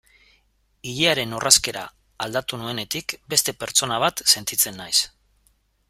Ilearen orrazkera aldatu nuenetik beste pertsona bat sentitzen naiz.